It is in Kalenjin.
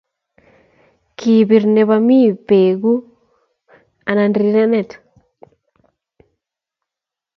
Kibir nebo mi beku et anan rirenet